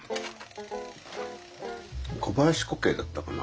小林古径だったかな。